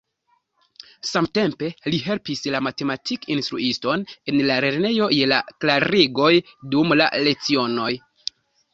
Samtempe li helpis la matematik-instruiston en la lernejo je la klarigoj dum la lecionoj.